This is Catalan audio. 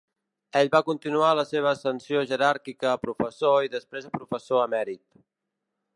Ell va continuar la seva ascensió jeràrquica a professor i després a professor emèrit.